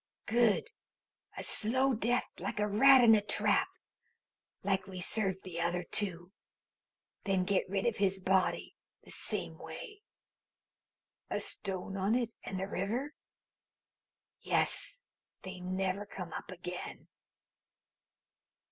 "Good. A slow death, like a rat in a trap like we served the other two. Then get rid of his body the same way." "A stone on it, and the river?" "Yes. They never come up again."